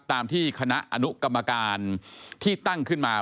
ตามที่คณะอนุกรรมการที่ตั้งขึ้นมา